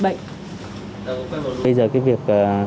bây giờ cái việc